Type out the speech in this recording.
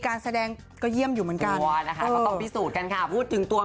การแสดงค่ะเยี่ยมเหมือนกัน